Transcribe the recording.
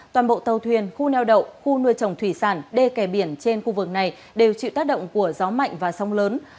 toàn bộ tàu thuyền khu neo đậu khu nuôi trồng thủy sản đê kè biển trên khu vực này đều chịu tác động của gió mạnh và sóng lớn